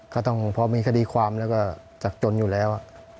ก็ต้องพอมีคดีความแล้วก็จากจนอยู่แล้ว